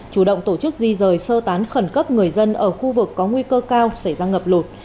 chủ động tổ chức di rời sơ tán khẩn cấp người dân ở khu vực có nguy cơ cao xảy ra ngập lụt